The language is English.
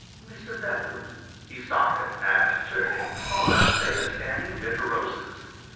"Mr. Bellew!" He started, and turning, saw Anthea standing amid her roses.